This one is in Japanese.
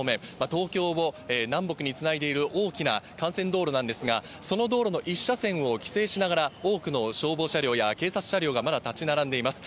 東京を南北につないでいる大きな幹線道路なんですが、その道路の１車線を規制しながら、多くの消防車両や警察車両がまだ立ち並んでいます。